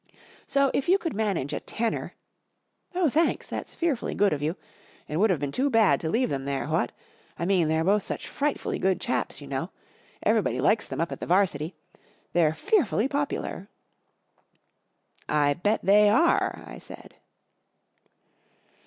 So if you could manage a tenner —Oh, thanks, that's fearfully good of you. It would have been too bad to leave them there, what ? I mean, thev're both such frightfully good chaps, you know'. Every¬ body likes them up at the 'Varsity. They're fearfully popular." 44 I bet they are !" I said.